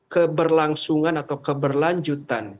keberlangsungan atau keberlanjutan